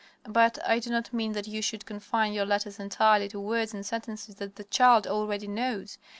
But I do not mean that you should confine your letters entirely to words and sentences that the child already knows.